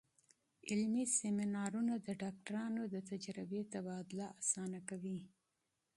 علمي سیمینارونه د ډاکټرانو د تجربې تبادله اسانه کوي.